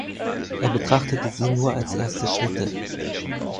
Er betrachtete sie nur als erste Schritte.